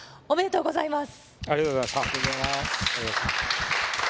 おめでとうございます。